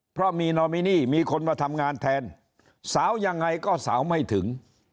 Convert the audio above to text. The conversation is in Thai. เพราะมีนอมินีมีคนมาทำงานแทนสาวยังไงก็สาวไม่ถึง